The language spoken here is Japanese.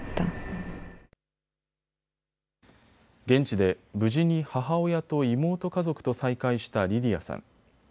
現地で無事に母親と妹家族と再会したリリヤさん。